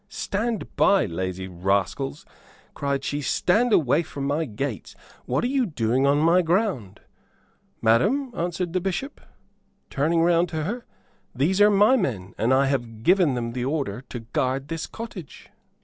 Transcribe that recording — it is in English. "Stand by, lazy rascals," cried she, "stand away from my gates. What are you doing on my ground?" "Madam," answered the Bishop, turning round to her, "these are my men, and I have given them the order to guard this cottage."